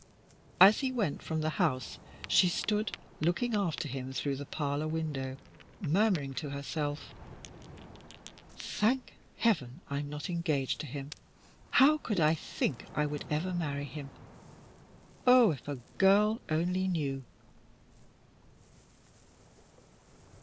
As he went from the house, she stood looking after him through the parlour window, murmuring to herself . "Thank Heaven, I'm not engaged to him. How could I think I would ever marry him? Oh, if a girl only knew!"